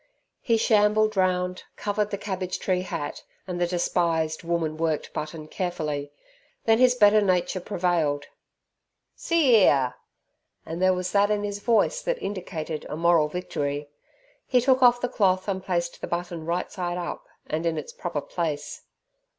He shambled round, covered the cabbage tree hat and the despised woman worked button carefully; then his better nature prevailed. "See 'ere!" and there was that in his voice that indicated a moral victory. He took off the cloth and placed the button right side up and in its proper place.